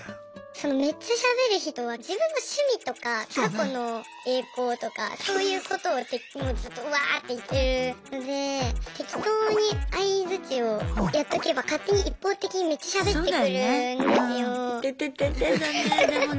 そのめっちゃしゃべる人は自分の趣味とか過去の栄光とかそういうことをずっとウワーッて言ってるので適当に相づちをやっとけば勝手に一方的にめっちゃしゃべってくるんですよ。